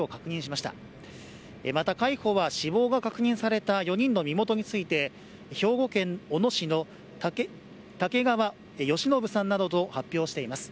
また、海保は死亡が確認された４人の身元について兵庫県小野市の竹川好信さんなどと発表しています。